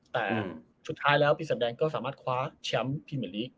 แต่สุดท้ายแล้วพี่สำแดงก็สามารถคว้าแชมป์พรีเมอร์ลีก